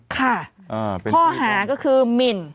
ค่ะข้อหาก็คือหมิน